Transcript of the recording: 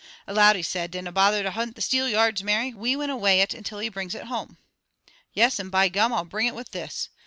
Aloud he said, "Dinna bother to hunt the steelyards, Mary. We winna weigh it until he brings it home." "Yes, and by gum, I'll bring it with this!